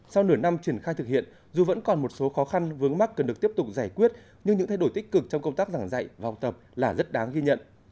sau nửa năm triển khai thực hiện dù vẫn còn một số khó khăn vướng mắt cần được tiếp tục giải quyết nhưng những thay đổi tích cực trong công tác giảng dạy và học tập là rất đáng ghi nhận